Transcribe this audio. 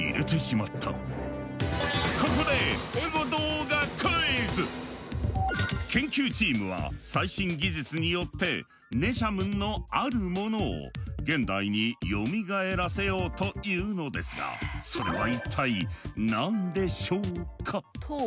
ここで研究チームは最新技術によってネシャムンのあるものを現代に蘇らせようというのですがそれは一体何でしょうか？